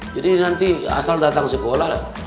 jadi nanti asal datang sekolah